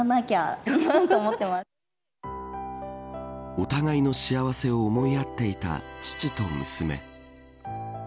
お互いの幸せを思いやっていた父と娘。